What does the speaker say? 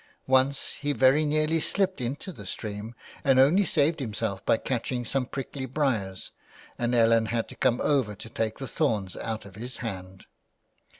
Once he very nearly slipped into the stream, and only saved himself by catching some prickly briers and Ellen had to come over to take the thorns out of his hand.